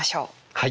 はい。